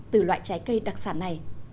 từ loại trái cây đặc sản này